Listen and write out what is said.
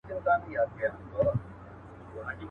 لکه پاڼه د خزان باد به مي یوسي.